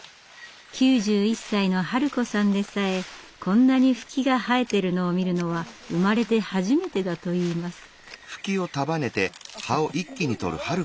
９１歳のハル子さんでさえこんなにフキが生えているのを見るのは生まれて初めてだといいます。